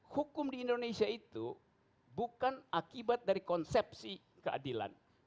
hukum di indonesia itu bukan akibat dari konsepsi keadilan